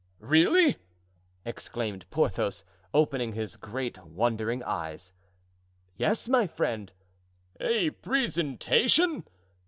really!" exclaimed Porthos, opening his great wondering eyes. "Yes, my friend." "A presentation?